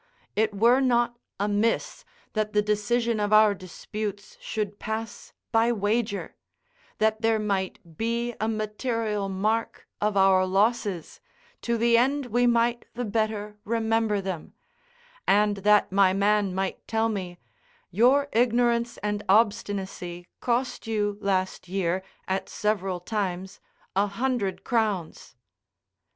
It were not amiss that the decision of our disputes should pass by wager: that there might be a material mark of our losses, to the end we might the better remember them; and that my man might tell me: "Your ignorance and obstinacy cost you last year, at several times, a hundred crowns."